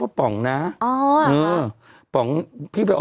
พูดทำไม